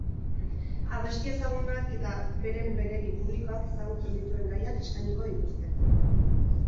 Abesti ezagunak eta beren-beregi publikoak ezagutzen dituen gaiak eskainiko dituzte.